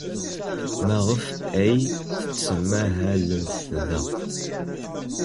Maɣef ay tettmahalemt da?